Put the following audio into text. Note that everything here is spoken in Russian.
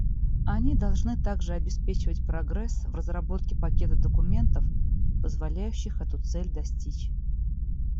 Они должны также обеспечивать прогресс в разработке пакета документов, позволяющих эту цель достичь.